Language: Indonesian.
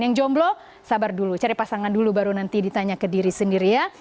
yang jomblo sabar dulu cari pasangan dulu baru nanti ditanya ke diri sendiri ya